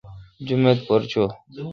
جمیت پر چو۔